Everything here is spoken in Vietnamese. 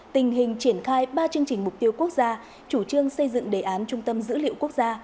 tình hình triển khai ba chương trình mục tiêu quốc gia chủ trương xây dựng đề án trung tâm dữ liệu quốc gia